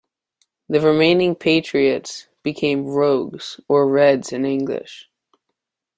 The remaining Patriotes, became "Rouges", or "Reds" in English.